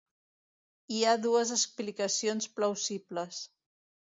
Hi ha dues explicacions plausibles.